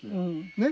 ねっ？